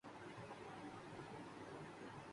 دیکھ رہے تھے اور حق کے ساتھ تھے ان سے